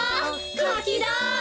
かきだ！